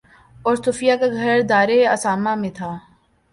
اور صفیہ کا گھر دارِ اسامہ میں تھا